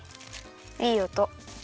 いいおと。